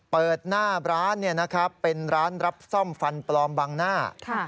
เปิดหน้าร้านเป็นร้านรับซ่อมฟันปลอมบางหน้า